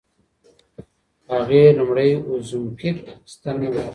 هغې لومړۍ اوزیمپیک ستنه واخیسته.